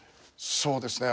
そうですね。